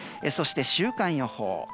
そして、週間予報。